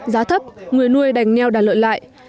giá thấp người nuôi đành neo đà lợi lại